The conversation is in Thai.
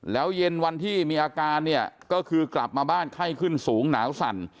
แล้วเย็นวันที่มีอาการเนี่ยก็คือกลับมาบ้านไข้ขึ้นสูงหนาวสั่น